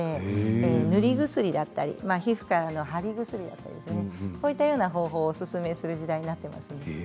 塗り薬だったり皮膚からの貼り薬だったりこういった方法をおすすめする時代になっています。